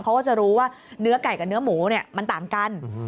เขาก็จะรู้ว่าเนื้อไก่กับเนื้อหมูเนี่ยมันต่างกัน